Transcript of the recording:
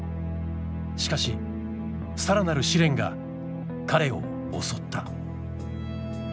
しかしさらなる試練が彼を襲った。